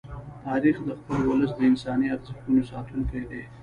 تاریخ د خپل ولس د انساني ارزښتونو ساتونکی دی.